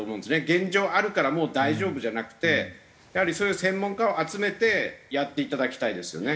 現状あるからもう大丈夫じゃなくてやはりそういう専門家を集めてやっていただきたいですよね。